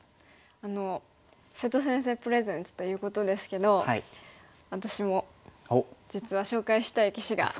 あの「瀬戸先生プレゼンツ」ということですけど私も実は紹介したい棋士がいます。